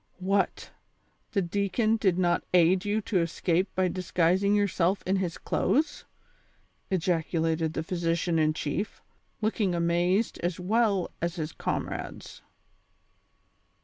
" What ! the deacon did not aid you to escape by dis guising yourself in his clothes ?" ejacidated the physician in chief, looking amazed as well as his comrades.